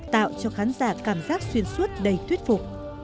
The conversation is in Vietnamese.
trong chiến đấu